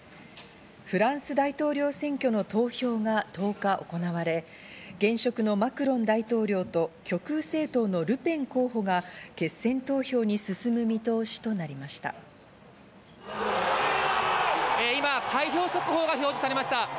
フランス大統領選挙の投票が１０日行われ、現職のマクロン大統領と極右政党のルペン候補が決選投票に進む見通しとなりました。